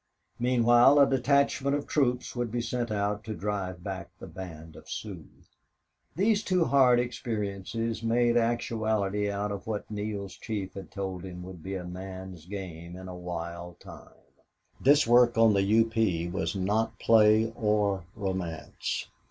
Meanwhile a detachment of troops would be sent out to drive back the band of Sioux. These two hard experiences made actuality out of what Neale's chief had told him would be a man's game in a wild time. This work on the U. P. was not play or romance.